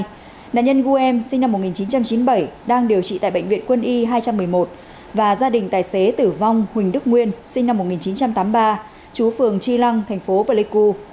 đoàn công tác đã đến thăm hỏi hỗ trợ nạn nhân gun sinh năm một nghìn chín trăm chín mươi bảy đang điều trị tại bệnh viện quân y hai trăm một mươi một và gia đình tài xế tử vong huỳnh đức nguyên sinh năm một nghìn chín trăm tám mươi ba chú phường tri lăng thành phố pleiku